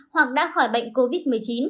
hoặc đã khỏi bệnh covid một mươi chín